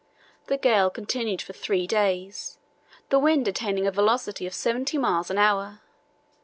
The gale continued for three days, the wind attaining a velocity of seventy miles an hour.